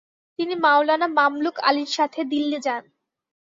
তিনি মাওলানা মামলুক আলির সাথে দিল্লি যান।